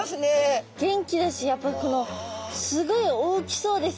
元気だしやっぱこのすごい大きそうですよね。